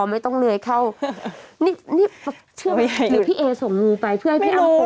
ไม่ต้องเลื้อยเข้านี่นี่เชื่อไหมหรือพี่เอส่งงูไปเพื่อให้พี่อำ